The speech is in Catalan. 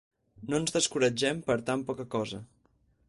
No ens descoratgem per tan poca cosa.